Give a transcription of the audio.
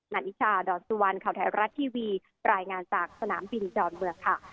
ันนิชาดอนสุวรรณข่าวไทยรัฐทีวีรายงานจากสนามบินดอนเมืองค่ะ